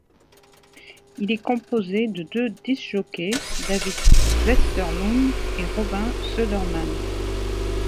Il est composé de deux disc-jockeys, David Westerlund et Robin Söderman.